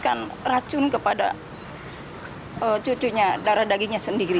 memberikan racun kepada cucunya darah dagingnya sendiri